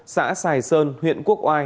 xã sài sơn huyện quốc ai